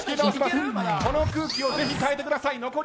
この空気をぜひ変えてください。